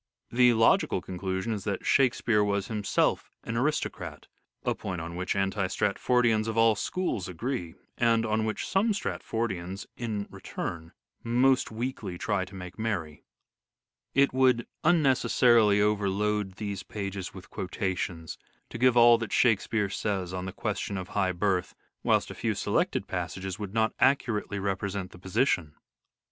The logical conclusion is that " Shakespeare " was himself an aristocrat : a point on which anti Stratfordians of all schools agree, and on which some Stratfordians, in return, most weakly try to make merry. It would unnecessarily overload these pages with quotations to give all that Shakespeare says on the question of high birth, whilst a few selected passages would not accurately represent the position.